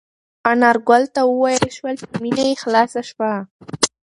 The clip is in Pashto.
انارګل ته وویل شول چې مېنه یې خلاصه شوه.